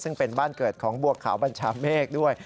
ซึ่งเป็นบ้านเกิดของบัวขาวบัญชาเมฆด้วย